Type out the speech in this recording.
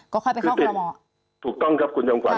ก็ค่อยไปเข้าคอลโมถูกต้องครับคุณจำขวั